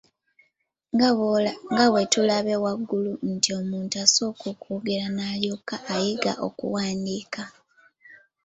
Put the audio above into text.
Nga bwetulabye waggulu nti omuntu asooka kwogera n'alyoka ayiga okuwandiika.